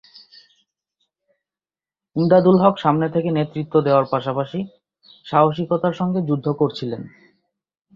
ইমদাদুল হক সামনে থেকে নেতৃত্ব দেওয়ার পাশাপাশি সাহসিকতার সঙ্গে যুদ্ধ করছিলেন।